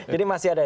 jadi masih ada